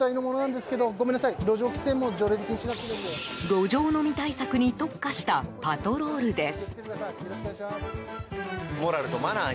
路上飲み対策に特化したパトロールです。